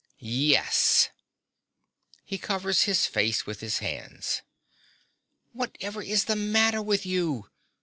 Yes. (He covers his face with his hands.) Whatever is the matter with you!